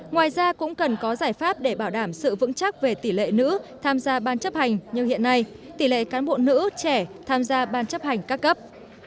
ngoài ra cũng cần có giải pháp để bảo đảm sự vững chắc về tỷ lệ nữ tham gia ban chấp hành như hiện nay tỷ lệ cán bộ nữ trẻ tham gia ban chấp hành các cấp